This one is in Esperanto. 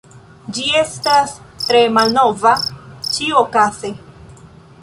Ĝi estas tre malnova. Ĉiuokaze…